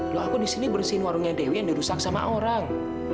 loh aku disini bersihin warungnya dewi yang dirusak sama orang